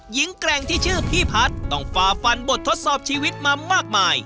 แกร่งที่ชื่อพี่พัฒน์ต้องฝ่าฟันบททดสอบชีวิตมามากมาย